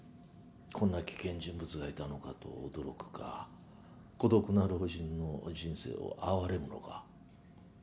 こんな危険人物がいたのかと驚くか孤独な老人の人生を憐れむのか。